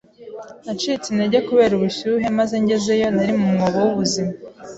Nacitse intege kubera ubushyuhe, maze ngezeyo, nari mu mwobo w'ubuzima.